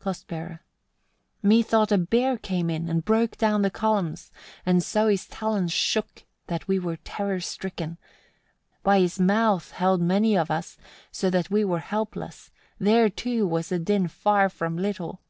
Kostbera. 17. "Methought a bear came in, and broke down the columns; and so his talons shook, that we were terror stricken; by his mouth held many of us, so that we were helpless: there, too, was a din far from little."